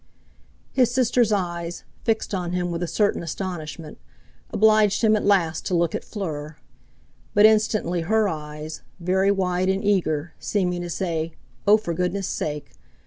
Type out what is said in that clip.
His sister's eyes, fixed on him with a certain astonishment, obliged him at last to look at Fleur; but instantly her eyes, very wide and eager, seeming to say, "Oh! for goodness' sake!"